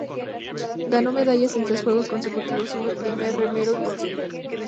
Ganó medallas en tres Juegos consecutivos, siendo el primer remero en conseguirlo.